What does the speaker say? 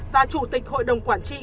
và chủ tịch hội đồng quản trị